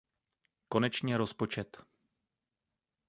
Konečně rozpočet.